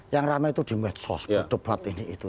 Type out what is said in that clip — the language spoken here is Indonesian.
yang ramai itu di medsos di debat ini itu